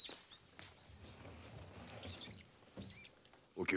お京